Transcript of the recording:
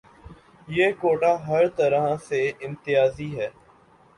یہ کوٹہ ہرطرح سے امتیازی ہے۔